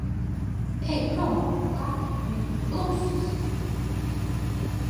Ej prom no t? ka?a, vi?am ir blusas!